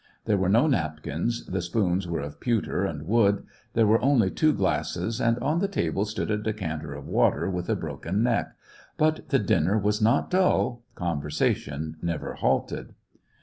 There were no napkins, the spoons were of pewter and wood, there were only two glasses, and on the table stood a decanter of water with a broken neck ; but the dinner was not dull ; conversation never halted.